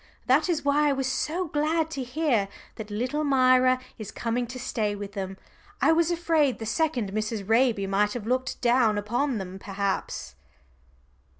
That is why I was so glad to hear that little Myra is coming to stay with them. I was afraid the second Mrs. Raby might have looked down upon them perhaps."